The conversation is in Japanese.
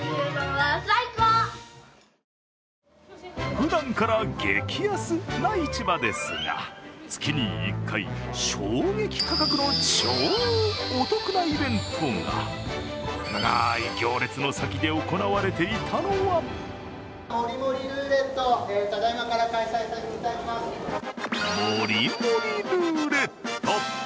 ふだんから激安な市場ですが、月に１回、衝撃価格の超お得なイベントが、長い行列の先で行われていたのはもりもりルーレット。